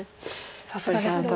さすがですね。